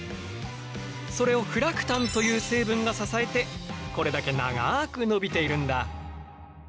それをフラクタンという成分が支えてこれだけ長く伸びているんだ！